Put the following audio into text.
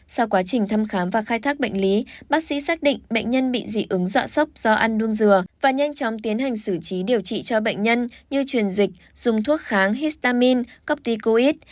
sau quá trình thăm khám và khai thác bệnh lý bác sĩ xác định bệnh nhân bị dị ứng dọa sốc do ăn nuông dừa và nhanh chóng tiến hành xử trí điều trị cho bệnh nhân như truyền dịch dùng thuốc kháng histamin c copticoid